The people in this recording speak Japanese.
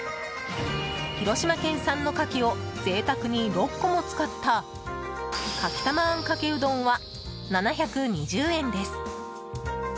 広島県産のカキを贅沢に６個も使った牡蠣たまあんかけうどんは７２０円です。